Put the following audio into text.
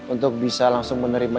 untuk bisa langsung menerima